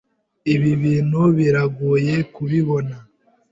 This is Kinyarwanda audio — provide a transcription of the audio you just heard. Ibi bintu biragoye kubibona.